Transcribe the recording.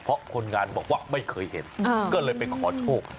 เพราะคนงานบอกว่าไม่เคยเห็นก็เลยไปขอโชค